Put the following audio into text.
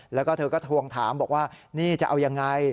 แล้วก็เธอก็ทวงถามบอกว่านี่จะเอายังไง